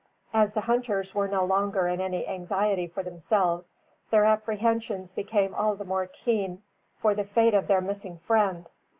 As the hunters were no longer in any anxiety for themselves, their apprehensions became all the more keen for the fate of their missing friend.